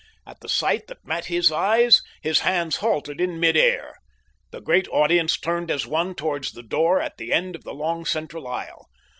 At the sight that met his eyes his hands halted in mid air. The great audience turned as one toward the doors at the end of the long central aisle.